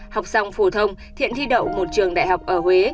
học xong phổ thông thiện thi đậu một trường đại học ở huế